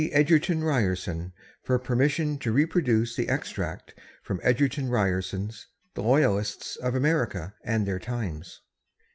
Egerton Ryerson for permission to reproduce the extract from Egerton Ryerson's "The Loyalists of America and their Times."